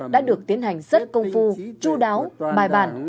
đã được tiến hành rất công phu chú đáo bài bản